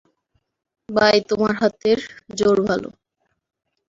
ভাই, তোমার হাতে জোর ভালো।